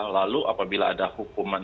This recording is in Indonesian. lalu apabila ada hukuman